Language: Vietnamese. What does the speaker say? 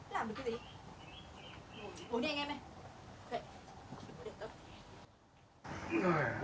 làm được cái gì